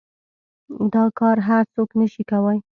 دا کار هر سوک نشي کواى.